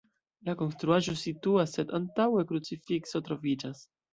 La konstruaĵo situas, sed antaŭe krucifikso troviĝas.